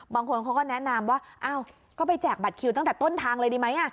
บางคนเขาก็แนะนำว่าอ้าวก็ไปแจกบัตรคิวตั้งแต่ต้นทางเลยดีไหม